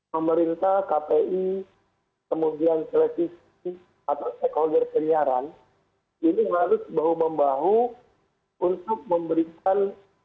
masyarakat itu membutuhkan